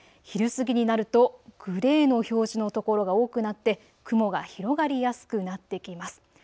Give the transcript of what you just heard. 昼過ぎになるとグレーの表示の所が多くなって雲が広がりやすくなってきます。